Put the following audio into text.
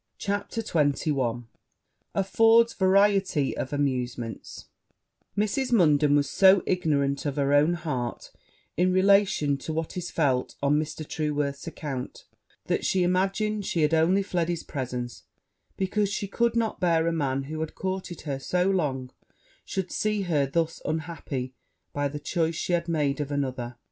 CHAPTER XXI Affords variety of amusement Mrs. Munden was so ignorant of her own heart, in relation to what it felt on Mr. Trueworth's account, that she imagined she had only fled his presence because she could not bear a man who had courted her so long should see her thus unhappy by the choice she had made of another.